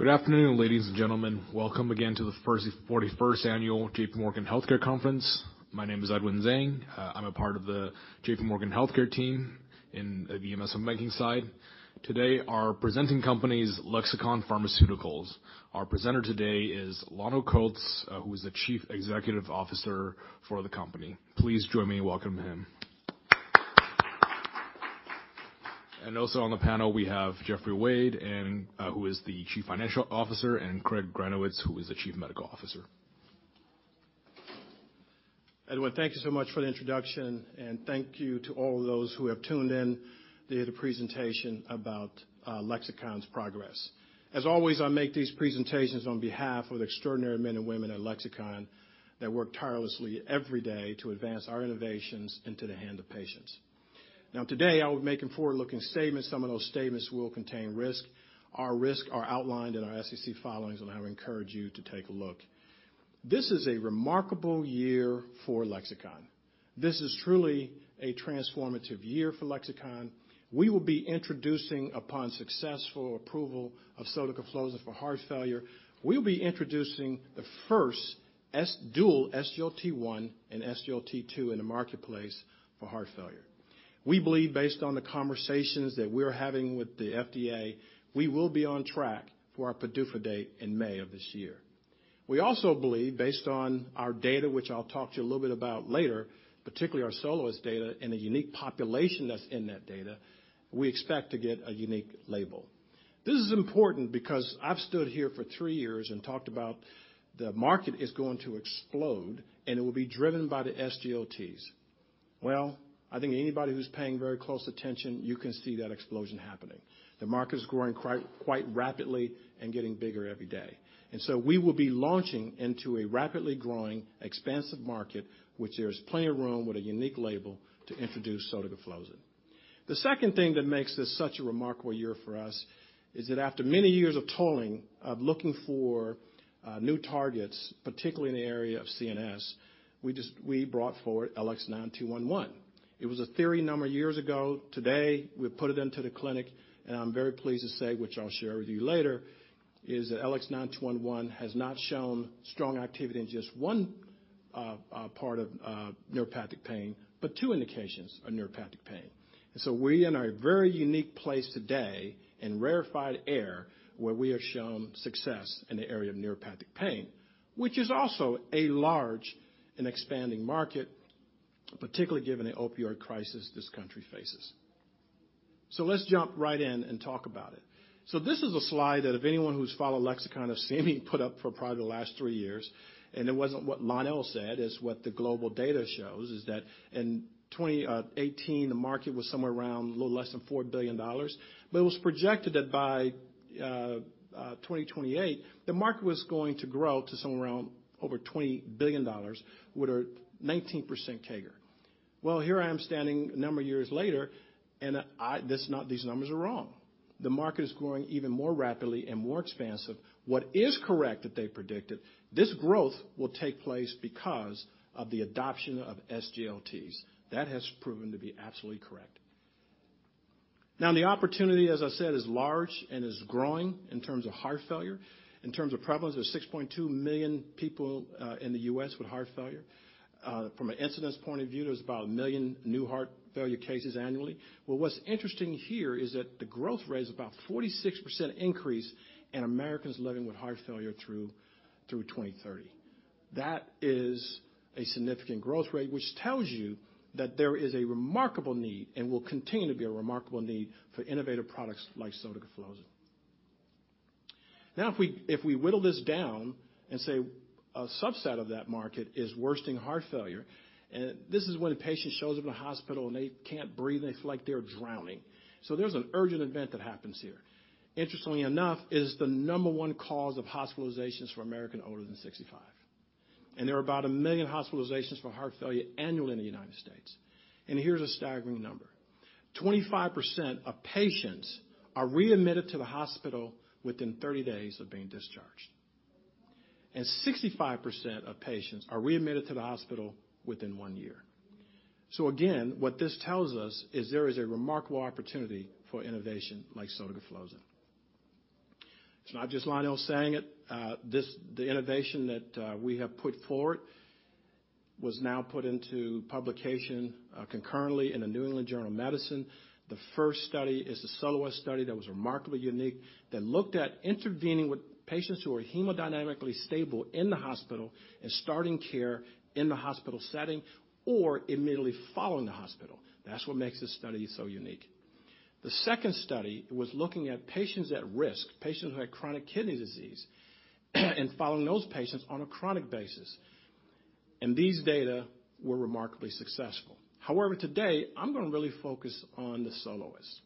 Good afternoon, ladies and gentlemen. Welcome again to the 41st annual JPMorgan Healthcare conference. My name is Edwin Zhang. I'm a part of the JPMorgan Healthcare Team in the MSM banking side. Today, our presenting company is Lexicon Pharmaceuticals. Our presenter today is Lonnel Coats, who is the Chief Executive Officer for the company. Please join me in welcoming him. Also on the panel we have Jeffrey Wade, who is the Chief Financial Officer, and Craig Granowitz, who is the Chief Medical Officer. Edwin, thank you so much for the introduction. Thank you to all of those who have tuned in to hear the presentation about Lexicon's progress. As always, I make these presentations on behalf of the extraordinary men and women at Lexicon that work tirelessly every day to advance our innovations into the hand of patients. Today, I'll be making forward-looking statements. Some of those statements will contain risk. Our risk are outlined in our SEC filings. I would encourage you to take a look. This is a remarkable year for Lexicon. This is truly a transformative year for Lexicon. We will be introducing upon successful approval of sotagliflozin for heart failure. We'll be introducing the first dual SGLT1 and SGLT2 in the marketplace for heart failure. We believe based on the conversations that we're having with the FDA, we will be on track for our PDUFA date in May of this year. We also believe based on our data, which I'll talk to you a little bit about later, particularly our SOLOIST data and the unique population that's in that data, we expect to get a unique label. This is important because I've stood here for three years and talked about the market is going to explode, and it will be driven by the SGLTs. Well, I think anybody who's paying very close attention, you can see that explosion happening. The market is growing quite rapidly and getting bigger every day. We will be launching into a rapidly growing, expansive market, which there's plenty of room with a unique label to introduce sotagliflozin. The second thing that makes this such a remarkable year for us is that after many years of tolling, of looking for new targets, particularly in the area of CNS, we brought forward LX9211. It was a theory a number of years ago. Today, we've put it into the clinic, and I'm very pleased to say, which I'll share with you later, is that LX9211 has not shown strong activity in just one part of neuropathic pain, but two indications of neuropathic pain. We are in a very unique place today, in rarefied air, where we have shown success in the area of neuropathic pain, which is also a large and expanding market, particularly given the opioid crisis this country faces. Let's jump right in and talk about it. This is a slide that if anyone who's followed Lexicon has seen me put up for probably the last three years, and it wasn't what Lonnel said, it's what the global data shows, is that in 2018, the market was somewhere around a little less than $4 billion. It was projected that by 2028, the market was going to grow to somewhere around over $20 billion with a 19% CAGR. Here I am standing a number of years later and these numbers are wrong. The market is growing even more rapidly and more expansive. What is correct that they predicted, this growth will take place because of the adoption of SGLTs. That has proven to be absolutely correct. The opportunity, as I said, is large and is growing in terms of heart failure. In terms of prevalence, there's 6.2 million people in the U.S. with heart failure. From an incidence point of view, there's about 1 million new heart failure cases annually. What's interesting here is that the growth rate is about 46% increase in Americans living with heart failure through 2030. That is a significant growth rate, which tells you that there is a remarkable need and will continue to be a remarkable need for innovative products like sotagliflozin. If we whittle this down and say a subset of that market is worsening heart failure, and this is when a patient shows up in a hospital and they can't breathe and they feel like they're drowning. There's an urgent event that happens here. Interestingly enough, it is the number one cause of hospitalizations for Americans older than 65. There are about 1 million hospitalizations for heart failure annually in the United States. Here's a staggering number. 25% of patients are readmitted to the hospital within 30 days of being discharged. 65% of patients are readmitted to the hospital within one year. Again, what this tells us is there is a remarkable opportunity for innovation like sotagliflozin. It's not just Lonnel saying it. The innovation that we have put forward was now put into publication concurrently in The New England Journal of Medicine. The first study is the SOLOIST study that was remarkably unique, that looked at intervening with patients who are hemodynamically stable in the hospital and starting care in the hospital setting or immediately following the hospital. That's what makes this study so unique. The second study was looking at patients at risk, patients who had chronic kidney disease, and following those patients on a chronic basis. These data were remarkably successful. However, today, I'm gonna really focus on the SOLOIST.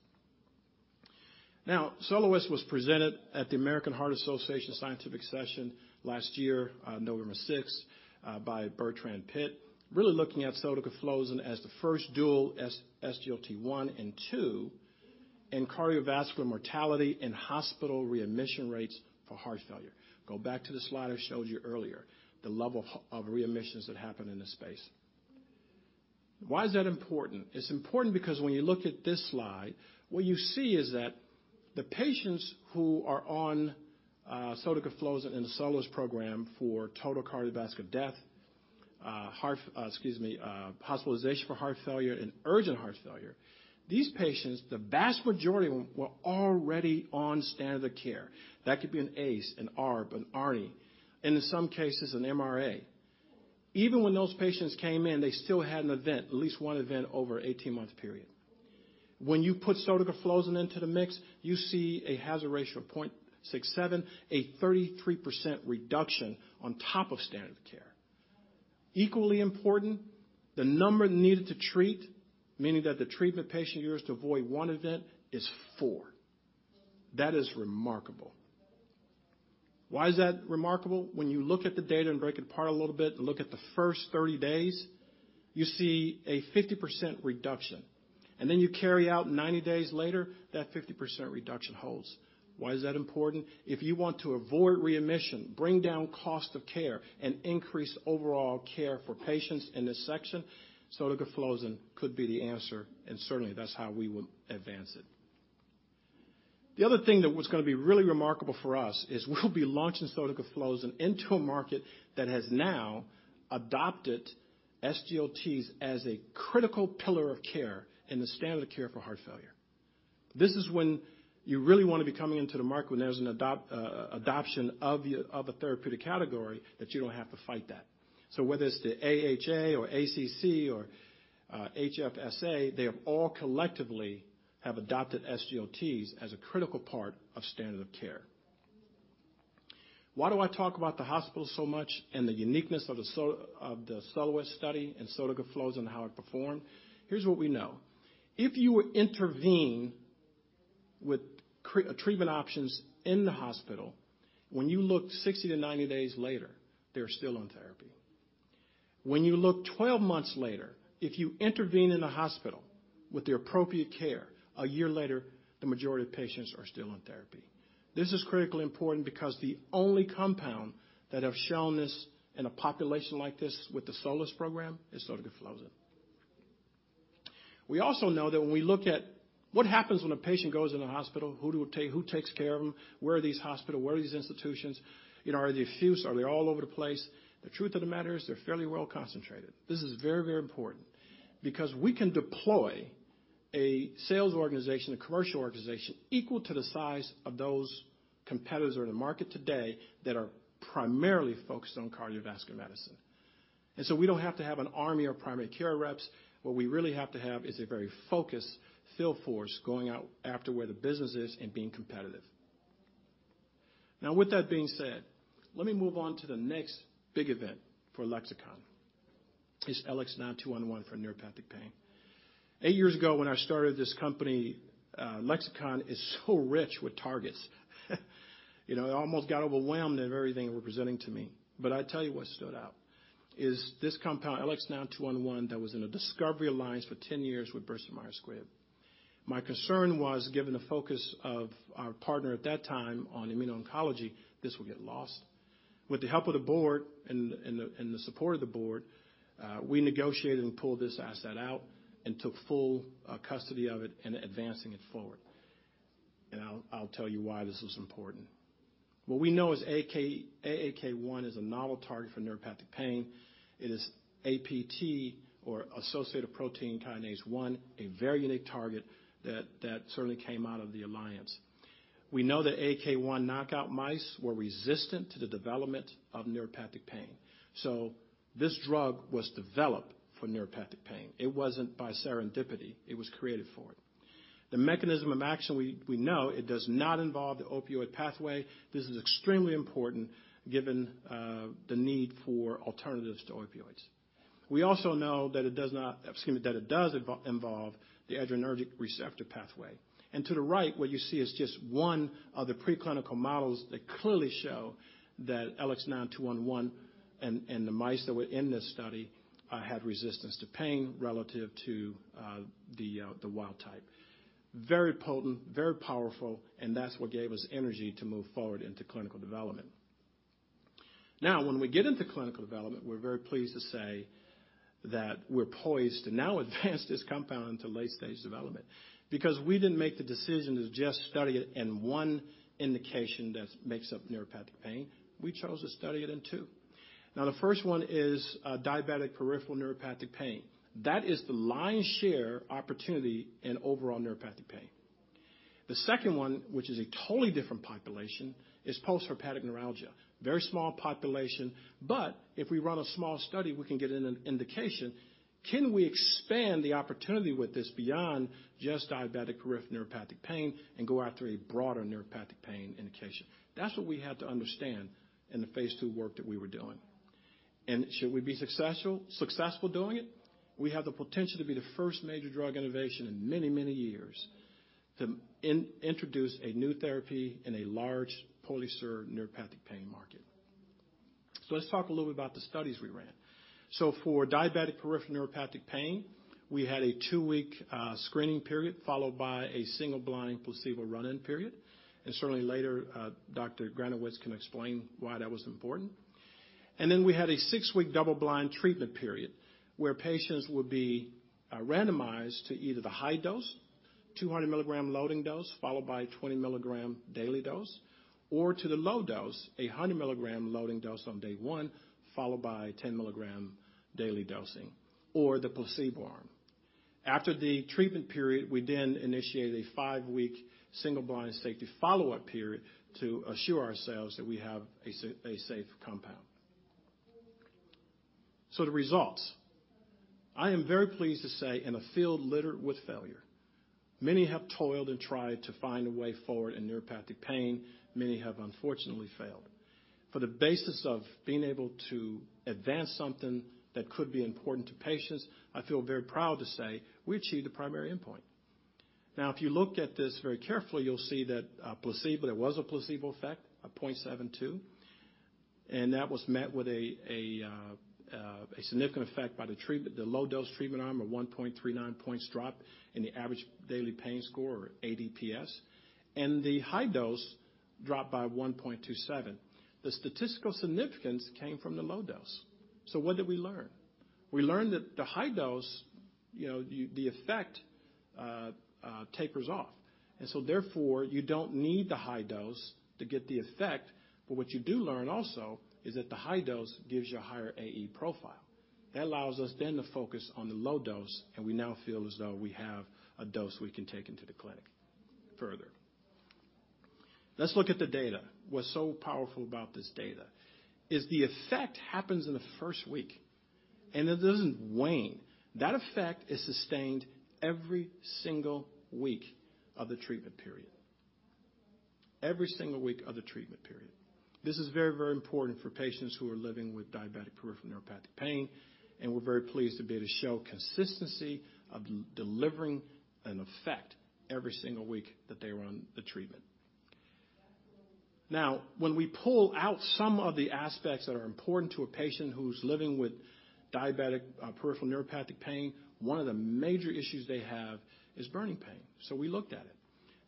Now, SOLOIST was presented at the American Heart Association scientific session last year, November 6th, by Bertram Pitt, really looking at sotagliflozin as the first dual SGLT1 and 2 in cardiovascular mortality and hospital readmission rates for heart failure. Go back to the slide I showed you earlier, the level of readmissions that happen in this space. Why is that important? It's important because when you look at this slide, what you see is that the patients who are on sotagliflozin in the SOLOIST program for total cardiovascular death, excuse me, hospitalization for heart failure and urgent heart failure. These patients, the vast majority were already on standard care. Could be an ACE, an ARB, an ARNI, and in some cases, an MRA. Even when those patients came in, they still had an event, at least one event over 18-month period. You put sotagliflozin into the mix, you see a hazard ratio of 0.67, a 33% reduction on top of standard care. Equally important, the number needed to treat, meaning that the treatment patient used to avoid one event is four. That is remarkable. Why is that remarkable? You look at the data and break it apart a little bit and look at the first 30 days, you see a 50% reduction, you carry out 90 days later, that 50% reduction holds. Why is that important? If you want to avoid readmission, bring down cost of care, and increase overall care for patients in this section, sotagliflozin could be the answer, and certainly, that's how we would advance it. The other thing that was gonna be really remarkable for us is we'll be launching sotagliflozin into a market that has now adopted SGLTs as a critical pillar of care in the standard of care for heart failure. This is when you really wanna be coming into the market when there's an adoption of the, of the therapeutic category that you don't have to fight that. Whether it's the AHA or ACC or HFSA, they have all collectively have adopted SGLTs as a critical part of standard of care. Why do I talk about the hospital so much and the uniqueness of the SOLOIST study and sotagliflozin and how it performed? Here's what we know. If you intervene with treatment options in the hospital, when you look 60-90 days later, they're still on therapy. When you look 12 months later, if you intervene in the hospital with the appropriate care, a year later, the majority of patients are still on therapy. This is critically important because the only compound that have shown this in a population like this with the SOLOIST program is sotagliflozin. We also know that when we look at what happens when a patient goes in the hospital, who takes care of them? Where are these institutions? You know, are they diffuse? Are they all over the place? The truth of the matter is they're fairly well concentrated. This is very, very important because we can deploy a sales organization, a commercial organization equal to the size of those competitors who are in the market today that are primarily focused on cardiovascular medicine. We don't have to have an army of primary care reps. What we really have to have is a very focused field force going out after where the business is and being competitive. With that being said, let me move on to the next big event for Lexicon. It's LX9211 for neuropathic pain. Eight years ago, when I started this company, Lexicon is so rich with targets. You know, I almost got overwhelmed at everything they were presenting to me. I tell you what stood out. Is this compound, LX9211, that was in a discovery alliance for 10 years with Bristol-Myers Squibb. My concern was, given the focus of our partner at that time on immuno-oncology, this would get lost. With the help of the board and the support of the board, we negotiated and pulled this asset out and took full custody of it and advancing it forward. I'll tell you why this was important. What we know is AAK1 is a novel target for neuropathic pain. It is APT or associated protein kinase one, a very unique target that certainly came out of the alliance. We know that AAK1 knockout mice were resistant to the development of neuropathic pain. This drug was developed for neuropathic pain. It wasn't by serendipity. It was created for it. The mechanism of action, we know it does not involve the opioid pathway. This is extremely important given the need for alternatives to opioids. We also know that it does, excuse me, that it does involve the adrenergic receptor pathway. To the right, what you see is just one of the preclinical models that clearly show that LX9211 and the mice that were in this study had resistance to pain relative to the wild type. Very potent, very powerful, and that's what gave us energy to move forward into clinical development. When we get into clinical development, we're very pleased to say that we're poised to now advance this compound into late-stage development because we didn't make the decision to just study it in one indication that makes up neuropathic pain. We chose to study it in two. The first one is diabetic peripheral neuropathic pain. That is the lion's share opportunity in overall neuropathic pain. The second one, which is a totally different population, is postherpetic neuralgia. Very small population, if we run a small study, we can get an indication. Can we expand the opportunity with this beyond just diabetic peripheral neuropathic pain and go after a broader neuropathic pain indication? That's what we had to understand in the phase II work that we were doing. Should we be successful doing it? We have the potential to be the first major drug innovation in many, many years to introduce a new therapy in a large polySER neuropathic pain market. Let's talk a little bit about the studies we ran. For diabetic peripheral neuropathic pain, we had a two-week screening period followed by a single-blind placebo run-in period. Certainly later, Dr. Granowitz can explain why that was important. Then we had a six-week double-blind treatment period where patients would be randomized to either the high dose, 200 mg loading dose followed by 20 mg daily dose or to the low dose, 100 mg loading dose on day one, followed by 10 mg daily dosing or the placebo arm. After the treatment period, we then initiate a five-week single-blind safety follow-up period to assure ourselves that we have a safe compound. The results, I am very pleased to say, in a field littered with failure, many have toiled and tried to find a way forward in neuropathic pain. Many have unfortunately failed. For the basis of being able to advance something that could be important to patients, I feel very proud to say we achieved the primary endpoint. Now, if you look at this very carefully, you'll see that placebo, there was a placebo effect of 0.72, and that was met with a significant effect by the low-dose treatment arm of 1.39 points drop in the average daily pain score or ADPS and the high dose dropped by 1.27. The statistical significance came from the low dose. What did we learn? We learned that the high dose, you know, the effect tapers off, therefore you don't need the high dose to get the effect. What you do learn also is that the high dose gives you a higher AE profile. That allows us to focus on the low dose, and we now feel as though we have a dose we can take into the clinic further. Let's look at the data. What's so powerful about this data is the effect happens in the first week, and it doesn't wane. That effect is sustained every single week of the treatment period. Every single week of the treatment period. This is very, very important for patients who are living with diabetic peripheral neuropathic pain, and we're very pleased to be able to show consistency of delivering an effect every single week that they were on the treatment. When we pull out some of the aspects that are important to a patient who's living with diabetic peripheral neuropathic pain, one of the major issues they have is burning pain. We looked at it.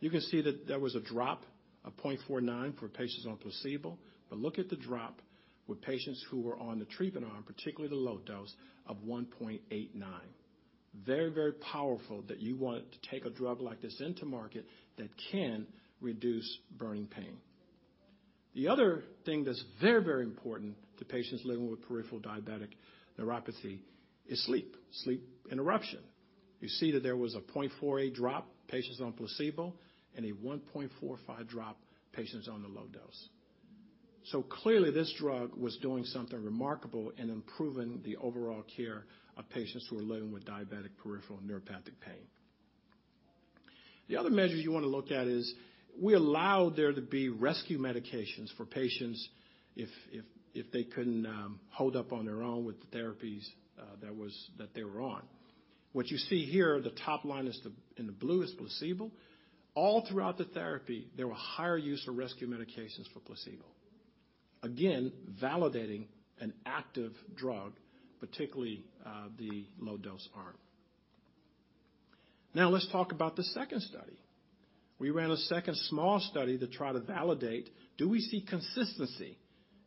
You can see that there was a drop of 0.49 for patients on placebo, but look at the drop with patients who were on the treatment arm, particularly the low dose of 1.89. Very, very powerful that you want to take a drug like this into market that can reduce burning pain. The other thing that's very, very important to patients living with peripheral diabetic neuropathy is sleep. Sleep interruption. You see that there was a 0.48 drop patients on placebo and a 1.45 drop patients on the low dose. Clearly this drug was doing something remarkable in improving the overall care of patients who are living with diabetic peripheral neuropathic pain. The other measure you wanna look at is we allowed there to be rescue medications for patients if they couldn't hold up on their own with the therapies that they were on. What you see here, the top line is the, in the blue is placebo. All throughout the therapy, there were higher use of rescue medications for placebo. Again, validating an active drug, particularly the low dose arm. Let's talk about the second study. We ran a second small study to try to validate, do we see consistency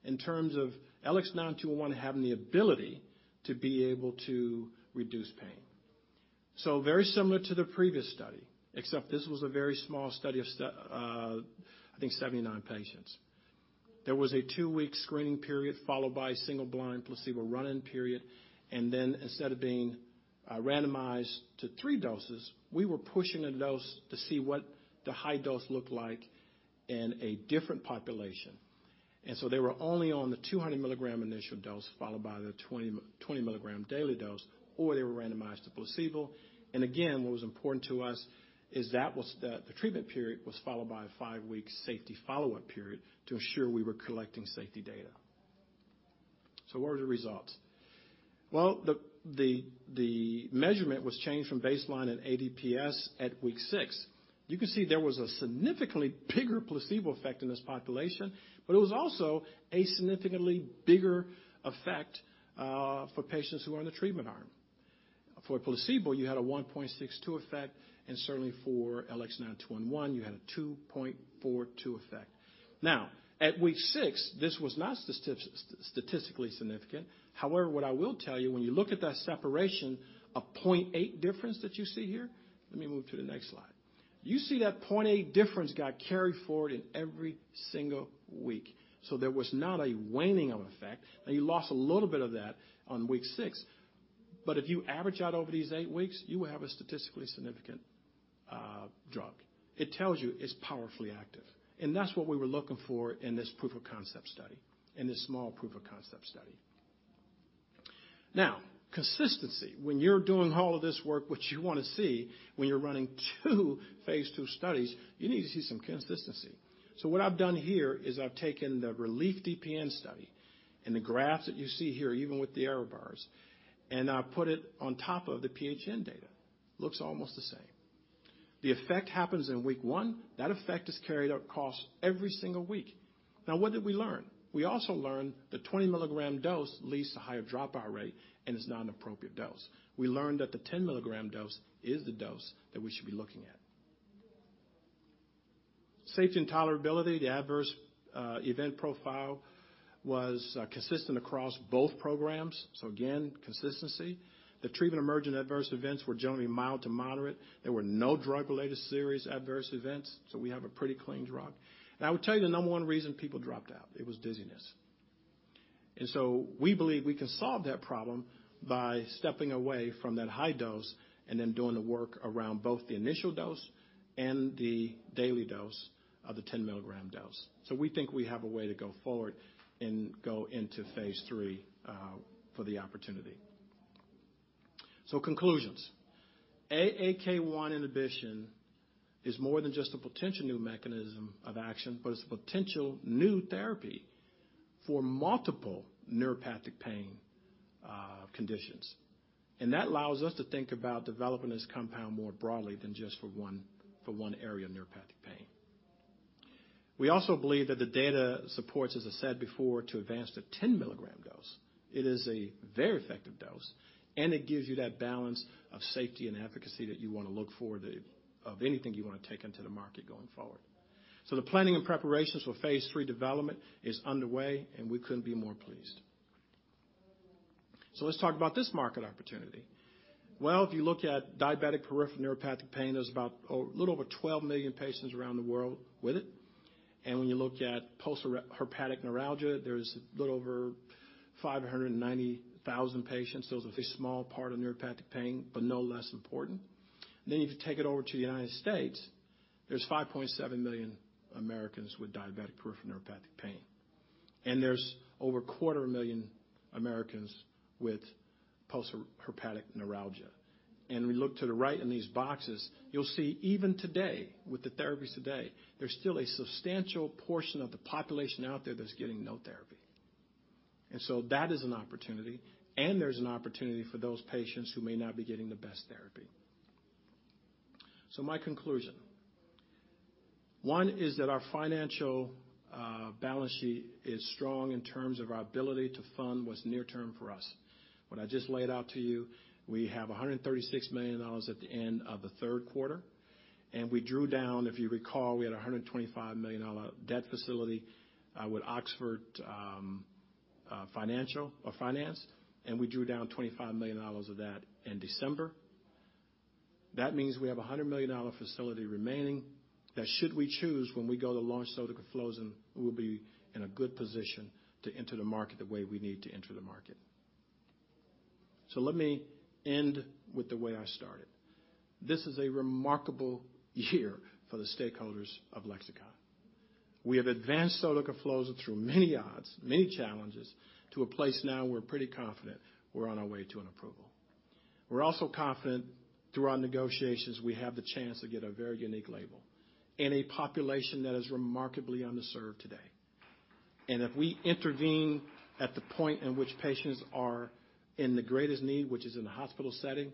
in terms of LX9211 having the ability to be able to reduce pain. Very similar to the previous study, except this was a very small study of I think 79 patients. There was a two-week screening period followed by a single blind placebo run-in period, and then instead of being randomized to 3 doses, we were pushing a dose to see what the high dose looked like in a different population. They were only on the 200 mg initial dose, followed by the 20 mg daily dose or they were randomized to placebo. Again, what was important to us is that the treatment period was followed by a five-week safety follow-up period to ensure we were collecting safety data. What are the results? The measurement was changed from baseline and ADPS at week six. You can see there was a significantly bigger placebo effect in this population, but it was also a significantly bigger effect for patients who are on the treatment arm. For placebo, you had a 1.62 effect. Certainly for LX9211, you had a 2.42 effect. At week six, this was not statistically significant. What I will tell you when you look at that separation of 0.8 difference that you see here... Let me move to the next slide. You see that 0.8 difference got carried forward in every single week. There was not a waning of effect. You lost a little bit of that on week six, but if you average out over these eight weeks, you will have a statistically significant drug. It tells you it's powerfully active, and that's what we were looking for in this proof of concept study, in this small proof of concept study. Consistency. You're doing all of this work, what you wanna see when you're running two phase II studies, you need to see some consistency. What I've done here is I've taken the RELIEF-DPN-1 study and the graphs that you see here, even with the error bars, and I've put it on top of the PHN data. Looks almost the same. The effect happens in week one. That effect is carried out across every single week. What did we learn? We also learned the 20 mg dose leads to higher dropout rate and is not an appropriate dose. We learned that the 10 mg dose is the dose that we should be looking at. Safety and tolerability. The adverse event profile was consistent across both programs. Again, consistency. The treatment-emergent adverse events were generally mild to moderate. There were no drug-related serious adverse events, so we have a pretty clean drug. I will tell you the number 1 reason people dropped out, it was dizziness. We believe we can solve that problem by stepping away from that high dose and then doing the work around both the initial dose and the daily dose of the 10 mg dose. We think we have a way to go forward and go into phase III for the opportunity. Conclusions. AAK1 inhibition is more than just a potential new mechanism of action, but it's a potential new therapy for multiple neuropathic pain conditions. That allows us to think about developing this compound more broadly than just for one, for one area of neuropathic pain. We also believe that the data supports, as I said before, to advance the 10 mg dose. It is a very effective dose, and it gives you that balance of safety and efficacy that you wanna look for of anything you wanna take into the market going forward. The planning and preparations for phase III development is underway, and we couldn't be more pleased. Let's talk about this market opportunity. Well, if you look at diabetic peripheral neuropathic pain, there's about a little over 12 million patients around the world with it. When you look at postherpetic neuralgia, there's a little over 590,000 patients. Those are a small part of neuropathic pain, but no less important. If you take it over to the United States, there's 5.7 million Americans with diabetic peripheral neuropathic pain. There's over a quarter million Americans with postherpetic neuralgia. We look to the right in these boxes, you'll see even today, with the therapies today, there's still a substantial portion of the population out there that's getting no therapy. That is an opportunity, and there's an opportunity for those patients who may not be getting the best therapy. My conclusion. One is that our financial balance sheet is strong in terms of our ability to fund what's near term for us. What I just laid out to you, we have $136 million at the end of the third quarter. We drew down, if you recall, we had a $125 million debt facility, with Oxford Finance, and we drew down $25 million of that in December. That means we have a $100 million facility remaining that should we choose when we go to launch sotagliflozin, we'll be in a good position to enter the market the way we need to enter the market. Let me end with the way I started. This is a remarkable year for the stakeholders of Lexicon. We have advanced sotagliflozin through many odds, many challenges, to a place now we're pretty confident we're on our way to an approval. We're also confident through our negotiations we have the chance to get a very unique label in a population that is remarkably underserved today. If we intervene at the point in which patients are in the greatest need, which is in the hospital setting,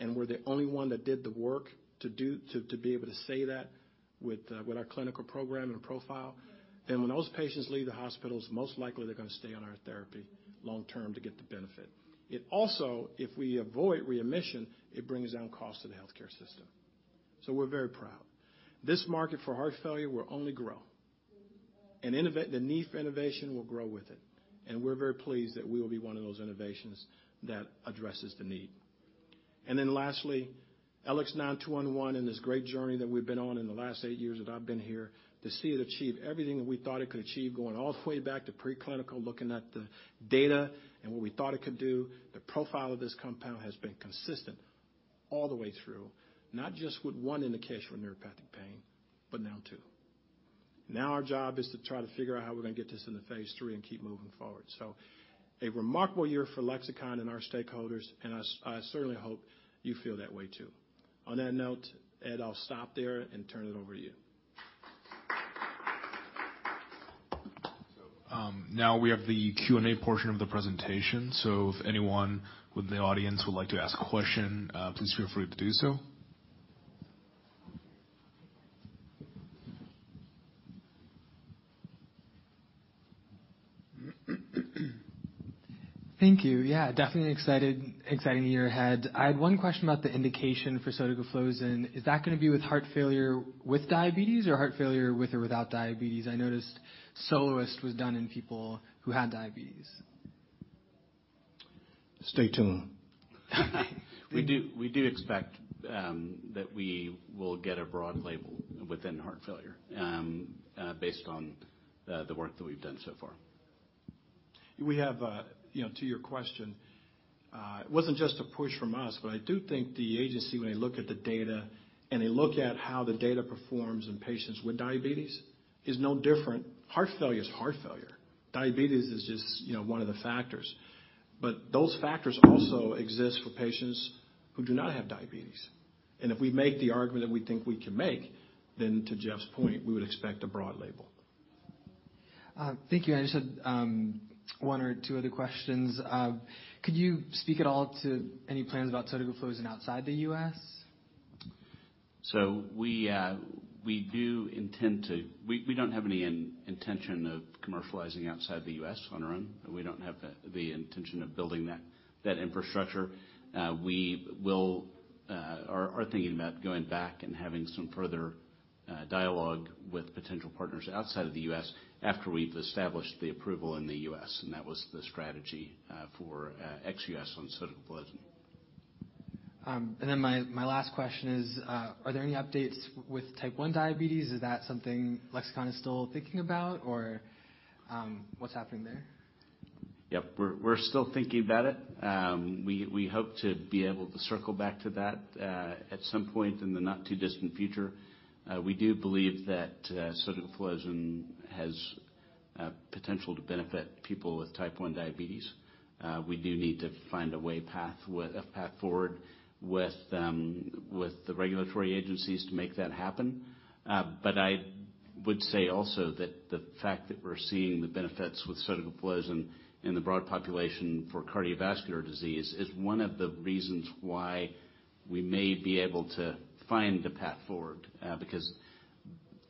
and we're the only one that did the work to do... to be able to say that with our clinical program and profile, then when those patients leave the hospitals, most likely they're gonna stay on our therapy long term to get the benefit. It also, if we avoid readmission, it brings down cost to the healthcare system. We're very proud. This market for heart failure will only grow, and the need for innovation will grow with it. We're very pleased that we will be one of those innovations that addresses the need. Lastly, LX9211 and this great journey that we've been on in the last eight years that I've been here, to see it achieve everything that we thought it could achieve, going all the way back to preclinical, looking at the data and what we thought it could do. The profile of this compound has been consistent all the way through, not just with one indication for neuropathic pain, but now two. Our job is to try to figure out how we're gonna get this into phase III and keep moving forward. A remarkable year for Lexicon and our stakeholders, and I certainly hope you feel that way too. On that note, Ed, I'll stop there and turn it over to you. Now we have the Q&A portion of the presentation. If anyone with the audience would like to ask a question, please feel free to do so. Thank you. Yeah, definitely excited, exciting year ahead. I had one question about the indication for sotagliflozin. Is that gonna be with heart failure with diabetes or heart failure with or without diabetes? I noticed SOLOIST was done in people who had diabetes. Stay tuned. We do expect, that we will get a broad label within heart failure, based on the work that we've done so far. We have, you know, to your question, it wasn't just a push from us, but I do think the agency when they look at the data and they look at how the data performs in patients with diabetes is no different. Heart failure is heart failure. Diabetes is just, you know, one of the factors. Those factors also exist for patients who do not have diabetes. If we make the argument that we think we can make, to Jeff's point, we would expect a broad label. Thank you. I just had one or two other questions. Could you speak at all to any plans about sotagliflozin outside the U.S.? We don't have any intention of commercializing outside the U.S. on our own. We don't have the intention of building that infrastructure. We are thinking about going back and having some further dialogue with potential partners outside of the U.S. after we've established the approval in the U.S., and that was the strategy for ex-U.S. on sotagliflozin. Then my last question is, are there any updates with type one diabetes? Is that something Lexicon is still thinking about or, what's happening there? Yep, we're still thinking about it. We hope to be able to circle back to that at some point in the not too distant future. We do believe that sotagliflozin has potential to benefit people with Type 1 diabetes. We do need to find a path forward with them, with the regulatory agencies to make that happen. I would say also that the fact that we're seeing the benefits with sotagliflozin in the broad population for cardiovascular disease is one of the reasons why we may be able to find the path forward,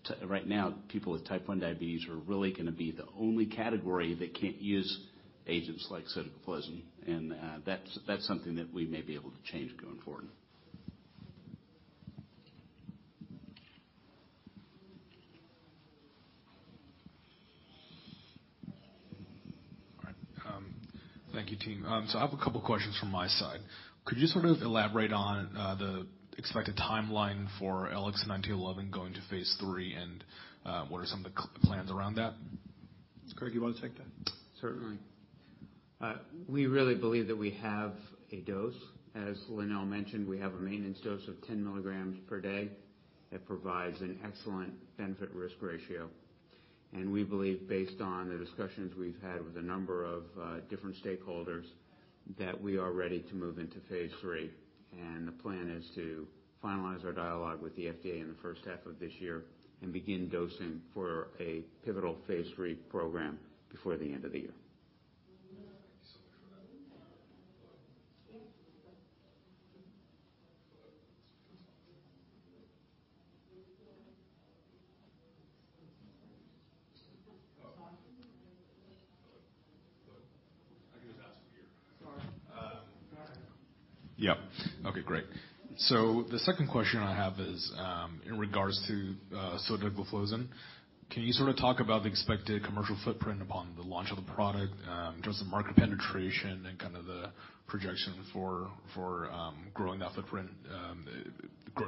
because right now, people with Type 1 diabetes are really gonna be the only category that can't use agents like sotagliflozin, and that's something that we may be able to change going forward. All right. Thank you, team. I have a couple questions from my side. Could you sort of elaborate on the expected timeline for LX9211 going to phase III, and what are some of the plans around that? Craig, you wanna take that? Certainly. We really believe that we have a dose, as Lonnel mentioned, we have a maintenance dose of 10 mg per day that provides an excellent benefit risk ratio. We believe based on the discussions we've had with a number of different stakeholders, that we are ready to move into phase III. The plan is to finalize our dialogue with the FDA in the first half of this year and begin dosing for a pivotal phase III program before the end of the year. Thank you so much for that. Yep. Okay, great. The second question I have is in regards to sotagliflozin, can you sort of talk about the expected commercial footprint upon the launch of the product, in terms of market penetration and kind of the projection for growing that footprint,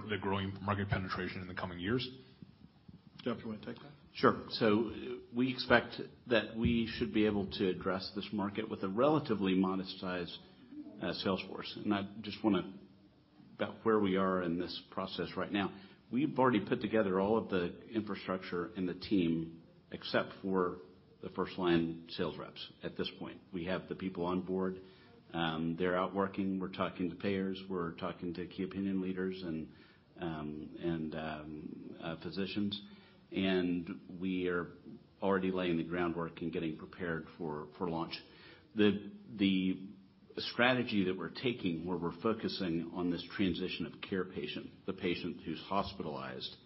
the growing market penetration in the coming years? Jeff, you wanna take that? Sure. We expect that we should be able to address this market with a relatively modest size sales force. I just wanna about where we are in this process right now. We've already put together all of the infrastructure and the team, except for the first line sales reps at this point. We have the people on board, they're out working, we're talking to payers, we're talking to key opinion leaders and physicians. We are already laying the groundwork and getting prepared for launch. The strategy that we're taking, where we're focusing on this transition of care patient, the patient who's hospitalized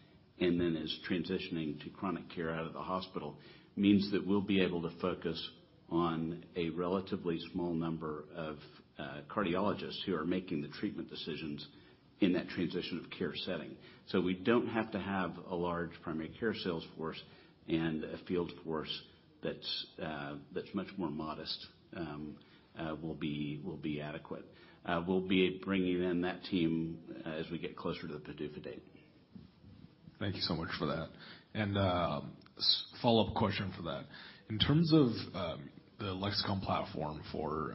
and then is transitioning to chronic care out of the hospital, means that we'll be able to focus on a relatively small number of cardiologists who are making the treatment decisions in that transition of care setting. We don't have to have a large primary care sales force and a field force that's much more modest will be adequate. We'll be bringing in that team as we get closer to the PDUFA date. Thank you so much for that. Follow-up question for that. In terms of the Lexicon platform for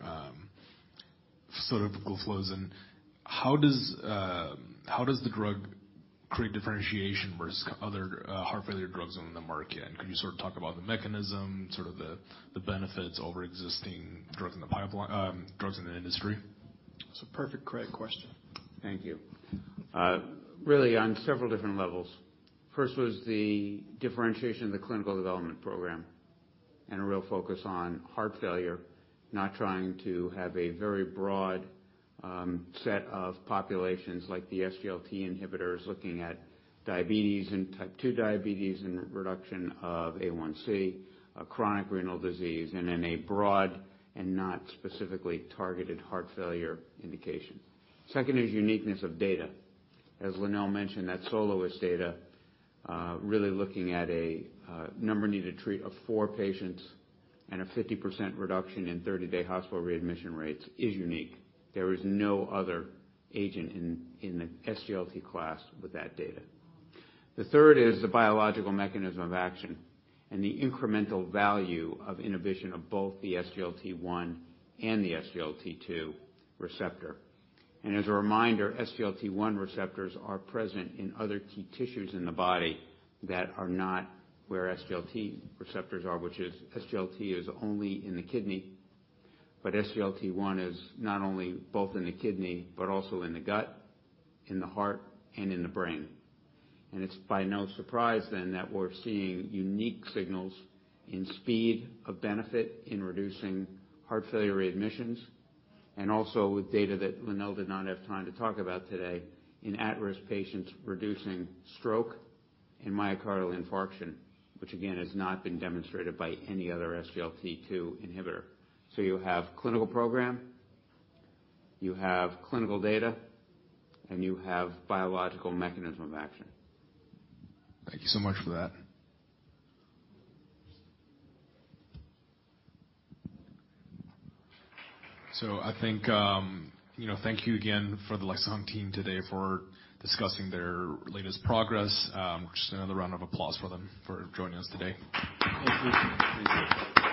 sotagliflozin, how does the drug create differentiation versus other heart failure drugs on the market? Can you sort of talk about the mechanism, sort of the benefits over existing drugs in the industry? It's a perfect Craig question. Thank you. Really on several different levels. First was the differentiation of the clinical development program and a real focus on heart failure, not trying to have a very broad set of populations like the SGLT inhibitors, looking at diabetes and type two diabetes and the reduction of A1C, chronic renal disease, and then a broad and not specifically targeted heart failure indication. Second is uniqueness of data. As Lonnel mentioned, that SOLOIST data, really looking at a number needed to treat of four patients and a 50% reduction in 30-day hospital readmission rates is unique. There is no other agent in the SGLT class with that data. The third is the biological mechanism of action and the incremental value of inhibition of both the SGLT1 and the SGLT2 receptor. As a reminder, SGLT1 receptors are present in other key tissues in the body that are not where SGLT receptors are, which is SGLT is only in the kidney. SGLT1 is not only both in the kidney, but also in the gut, in the heart, and in the brain. It's by no surprise then that we're seeing unique signals in speed of benefit in reducing heart failure readmissions and also with data that Lonnel did not have time to talk about today in at-risk patients reducing stroke and myocardial infarction, which again has not been demonstrated by any other SGLT2 inhibitor. You have clinical program, you have clinical data, and you have biological mechanism of action. Thank you so much for that. I think, you know, thank you again for the Lexicon team today for discussing their latest progress. Just another round of applause for them for joining us today. Thank you. Appreciate it.